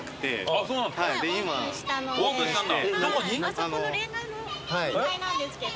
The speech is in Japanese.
あそこのれんがの２階なんですけど。